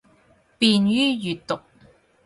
便于阅读